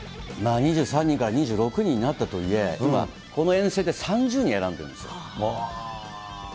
２３人から２６人になったとはいえ、この遠征で３０人選んでるんですよ。